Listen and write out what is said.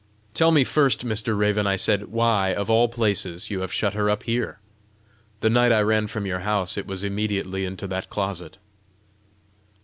"Tell me first, Mr. Raven," I said, "why, of all places, you have shut her up there! The night I ran from your house, it was immediately into that closet!"